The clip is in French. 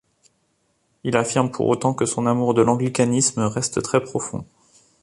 Il affirme pour autant que son amour de l'anglicanisme reste très profond.